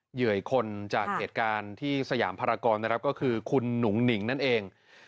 เหยื่อยคนจากเหตุการณ์ที่สยามภารกรนะครับก็คือคุณหนุ่งหนิงนั่นเอง